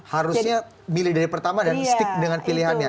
harusnya milih dari pertama dan stick dengan pilihannya